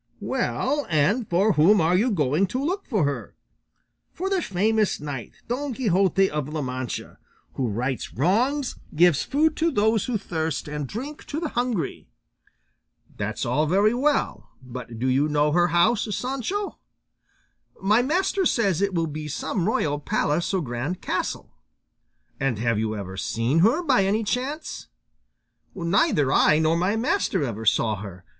Well, and for whom are you going to look for her? For the famous knight Don Quixote of La Mancha, who rights wrongs, gives food to those who thirst and drink to the hungry. That's all very well, but do you know her house, Sancho? My master says it will be some royal palace or grand castle. And have you ever seen her by any chance? Neither I nor my master ever saw her.